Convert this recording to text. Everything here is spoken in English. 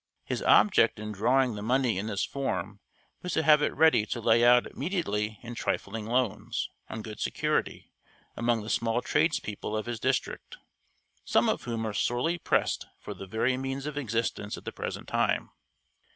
His object in drawing the money in this form was to have it ready to lay out immediately in trifling loans, on good security, among the small tradespeople of his district, some of whom are sorely pressed for the very means of existence at the present time.